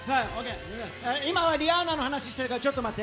今はリアーナの話してるからちょっと待って。